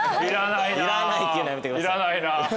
いらないって言うのやめてください。